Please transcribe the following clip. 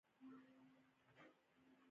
منډه د نېکمرغۍ حس راولي